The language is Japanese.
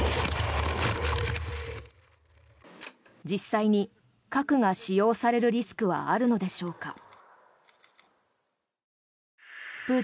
実際に核が使用されるリスクはあるのでしょうか。